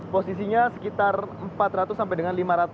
posisinya sekitar empat ratus sampai dengan lima ratus